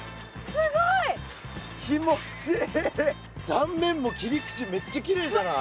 だんめんも切り口めっちゃきれいじゃない？